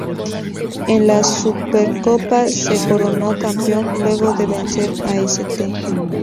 En la Supercopa se coronó campeón luego de vencer a St.